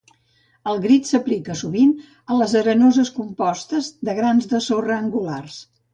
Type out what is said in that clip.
El grit s'aplica sovint a les arenoses compostes de grans de sorra angulars.